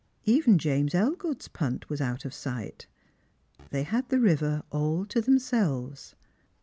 Even James Elgood's punt was out of sight. They had the river all to themselves.